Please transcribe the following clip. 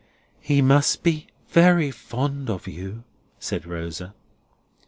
"He must be very fond of you," said Rosa.